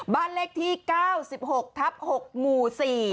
บ้านเลขที่๙๖ทับ๖หมู่๔